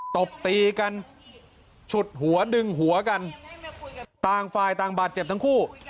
ตบตีกันฉุดหัวดึงหัวกันต่างฝ่ายต่างบาดเจ็บทั้งคู่